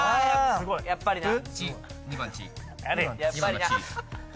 すごいやっぱりなやれよ